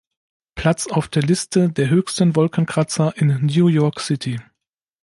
Platz auf der Liste der höchsten Wolkenkratzer in New York City.